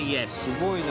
「すごいな」